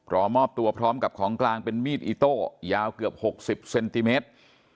รอมอบตัวพร้อมกับของกลางเป็นมีดอิโต้ยาวเกือบ๖๐เซนติเมตร